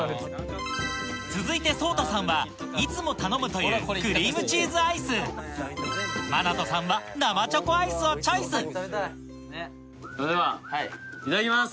続いてＳＯＴＡさんはいつも頼むというクリームチーズアイスＭＡＮＡＴＯさんは生チョコアイスをチョイスそれではいただきます！